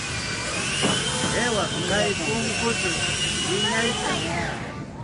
Qiwa kay punkućhaw wiñaykan.